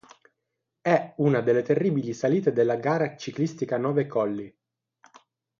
È una delle terribili salite della gara ciclistica "Nove Colli".